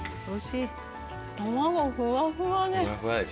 卵ふわふわで。